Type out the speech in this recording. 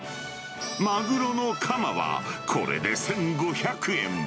マグロのカマは、これで１５００円。